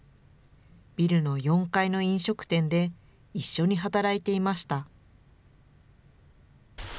ビルの４階の飲食店で一緒に働いていました。